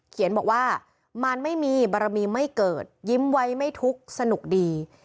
เขียนบอกว่ามันไม่มีบารมีไม่เกิดยิ้มไว้ไม่ทุกข์สนุกดี